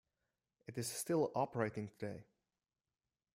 It is still operating today.